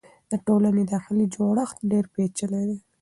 د ټولنې داخلي جوړښت ډېر پېچلی دی.